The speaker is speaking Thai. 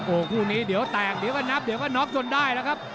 โอ้โหคู่นี้เดี๋ยวแตกเดี๋ยวก็นับเดี๋ยวก็น็อกจนได้แล้วครับ